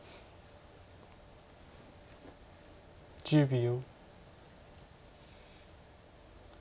１０秒。